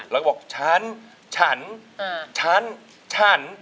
แล้วก็บอกฉันฉันฉันฉัน